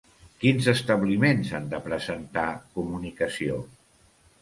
Quins establiments han de presentar Comunicació?